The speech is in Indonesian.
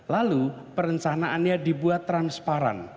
lalu perencanaannya dibuat transparan